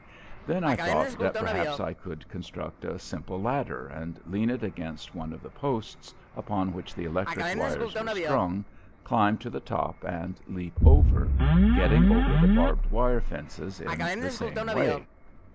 Then I thought that perhaps I could construct a simple ladder and lean it against one of the posts upon which the electric wires were strung, climb to the top and leap over, getting over the barbed wire fences in the same way.